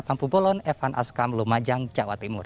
kampung bolon evan askam lumajang jawa timur